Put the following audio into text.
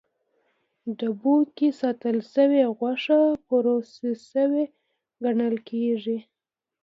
ډبیو کې ساتل شوې غوښه پروسس شوې ګڼل کېږي.